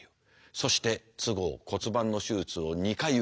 そして都合骨盤の手術を２回受けた。